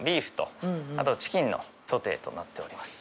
あとチキンのソテーとなっております